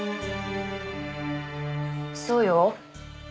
そうよ